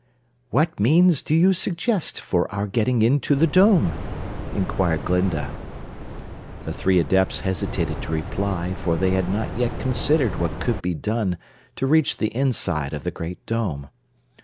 "What means do you suggest for our getting into the Dome?" inquired Glinda. The three Adepts hesitated to reply, for they had not yet considered what could be done to reach the inside of the Great Dome.